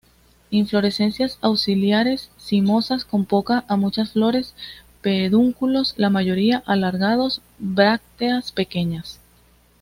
Inflorescencias axilares, cimosas, con pocas a muchas flores; pedúnculos la mayoría alargados; brácteas pequeñas.